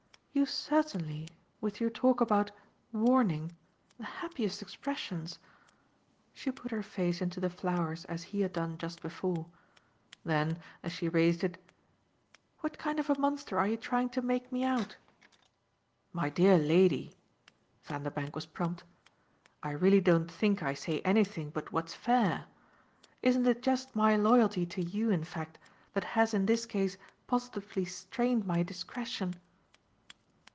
"You've certainly with your talk about 'warning' the happiest expressions!" She put her face into the flowers as he had done just before; then as she raised it: "What kind of a monster are you trying to make me out?" "My dear lady" Vanderbank was prompt "I really don't think I say anything but what's fair. Isn't it just my loyalty to you in fact that has in this case positively strained my discretion?"